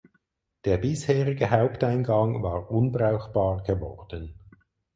Der bisherige Haupteingang war unbrauchbar geworden.